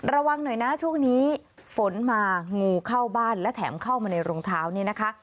ระวังหน่อยนะช่วงนี้ฝนมางูเข้าบ้านและแถมเข้ามาในรองเท้านี่นะคะ